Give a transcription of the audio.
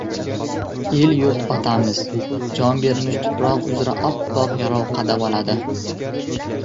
El-yurt otamiz jon bermish tuproq uzra oppoq yalov qadab oladi.